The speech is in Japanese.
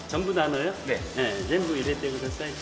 全部入れてください。